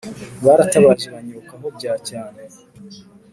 baratabaje banyirukaho bya cyane